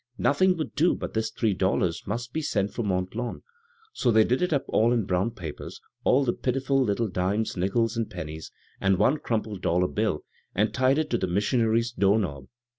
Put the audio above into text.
Nothing would do but this three dollars must be used for Mont Lawn, so they did it all up in brown paper — all the pitiful little dimes, nickels, and pen nies, and one crumpled dollar bill — and tied it to the missionary's door knob.